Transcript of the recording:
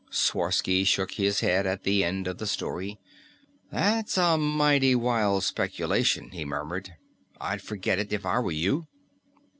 Sworsky shook his head at the end of the story. "That's a mighty wild speculation," he murmured. "I'd forget it if I were you."